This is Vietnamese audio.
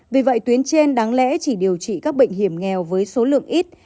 vì vậy tuyến trên đáng lẽ chỉ điều trị các bệnh hiểm nghèo với số lượng ít